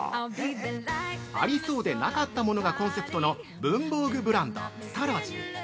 ◆ありそうでなかったものがコンセプトの文房具ブランドスタロジー。